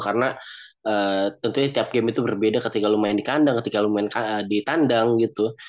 karena tentunya tiap game itu berbeda ketika lo main di kandang ketika lo main di tandang gitu